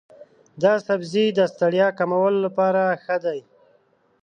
دا سبزی د ستړیا کمولو لپاره ښه دی.